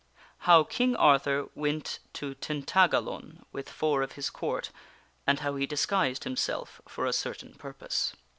How King Arthur Went to Tintagalon with Four of His Court, and How He Disguised Himself for a Certain Purpose.